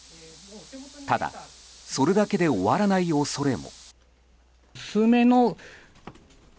ただそれだけで終わらない恐れも。